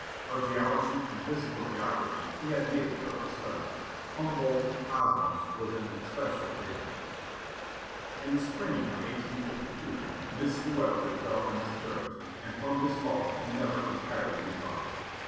Of geology and physical geography he had made a careful study. Humboldt's "Cosmos" was an especial favorite. In the spring of 1852, Mr. Webster fell from his carriage, and from this fall he never entirely recovered.